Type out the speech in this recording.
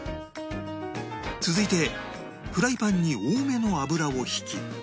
続いてフライパンに多めの油を引き